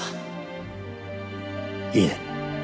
いいね？